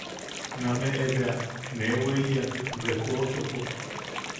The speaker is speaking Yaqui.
Nameʼe bea nee weeyan resopo.